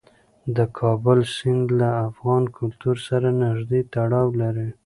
د کابل سیند له افغان کلتور سره نږدې تړاو لري.